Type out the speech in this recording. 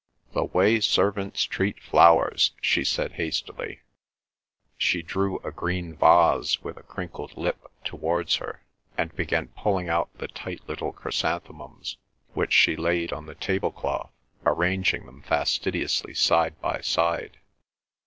"The way servants treat flowers!" she said hastily. She drew a green vase with a crinkled lip towards her, and began pulling out the tight little chrysanthemums, which she laid on the table cloth, arranging them fastidiously side by side.